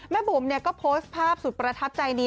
แม่บุ๋มเนี่ยก็โพสต์ภาพสุดประทับใจนี้